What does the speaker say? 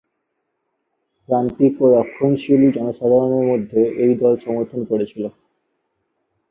প্রান্তিক ও রক্ষণশীল জনসাধারণের মধ্যে এই দল সমর্থন করেছিল।